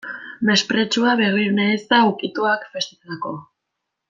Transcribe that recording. Mespretxua, begirune eza, ukituak, festetako.